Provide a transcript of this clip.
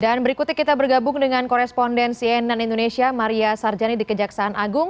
dan berikutnya kita bergabung dengan koresponden cnn indonesia maria sarjani di kejaksaan agung